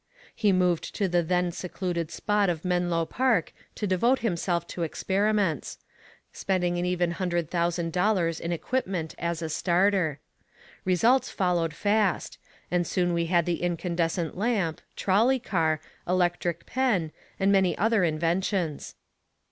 He moved to the then secluded spot of Menlo Park to devote himself to experiments, spending an even hundred thousand dollars in equipment as a starter. Results followed fast, and soon we had the incandescent lamp, trolley car, electric pen and many other inventions.